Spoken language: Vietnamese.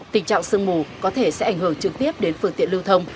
tình trạng sương mù có thể sẽ ảnh hưởng trực tiếp đến phương tiện lưu thông